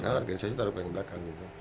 kan organisasi taruh paling belakang gitu